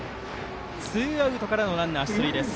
ツーアウトからのランナー出塁です。